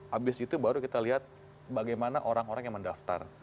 habis itu baru kita lihat bagaimana orang orang yang mendaftar